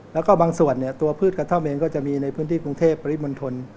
แล้วก็บางส่วนเนี่ยตัวพืชกระท่อมเองก็จะมีในพื้นที่กรุงเทพปริมณฑล